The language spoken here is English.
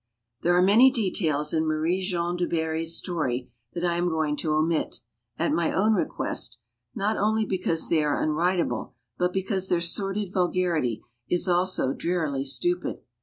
There are many details in Marie Jeanne du Barry's story that I am going to omit at my own request; not only because they are unwriteable, but because their sordid vulgarity is also drearily stupid.